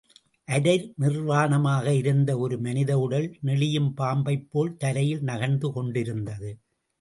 அரை நிர்வாணமாக இருந்த ஒரு மனித உடல், நெளியும் பாம்பைப் போல் தரையில் நகர்ந்து கொண்டிருந்தது.